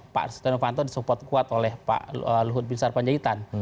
pak sutanufanto disupport quote oleh pak luhut bin sarpanjaitan